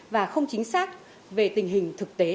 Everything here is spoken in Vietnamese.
và không chính xác về tình hình thực tế